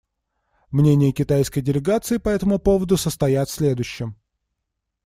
Мнения китайской делегации по этому поводу состоят в следующем.